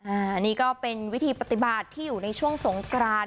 อันนี้ก็เป็นวิธีปฏิบัติที่อยู่ในช่วงสงกราน